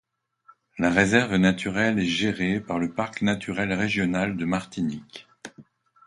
La réserve naturelle est gérée par le Parc naturel régional de Martinique.